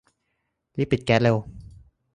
รีบปิดแก๊สเร็ว !